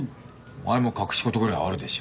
お前も隠し事ぐらいあるでしょ。